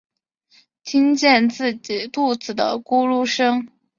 听见自己肚子的咕噜声